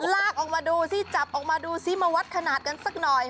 ลากออกมาดูสิจับออกมาดูซิมาวัดขนาดกันสักหน่อย